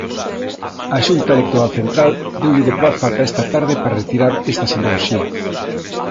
A Xunta Electoral Central deulle de prazo ata esta tarde para retirar esta simboloxía.